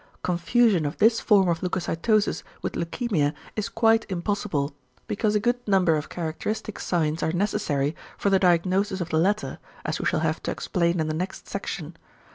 Confusion of this form of leucocytosis with leukæmia is quite impossible, because a good number of characteristic signs are necessary for the diagnosis of the latter, as we shall have to explain in the next section.